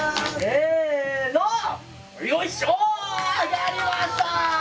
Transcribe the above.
やりました！